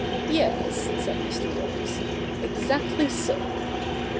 * Yes,' said Mr. Rose, ' exactly so.'